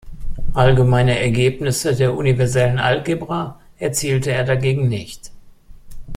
Allgemeine Ergebnisse der universellen Algebra erzielte er dagegen nicht.